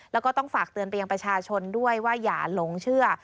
แล้วก็ต้องฝากเตือนไปยังประชาชนด้วยว่าอย่าหลงเชื่อ